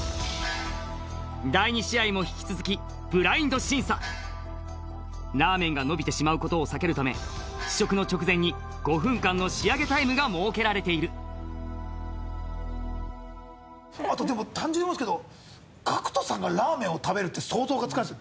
第二試合も引き続きブラインド審査ラーメンが伸びてしまうことを避けるため試食の直前に５分間の仕上げタイムが設けられているあとでも単純に思うんですけどＧＡＣＫＴさんがラーメンを食べるって想像がつかないです